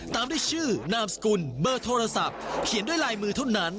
ตามด้วยชื่อนามสกุลเบอร์โทรศัพท์เขียนด้วยลายมือเท่านั้น